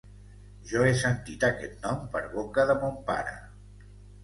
Jo he sentit aquest nom per boca de mon pare.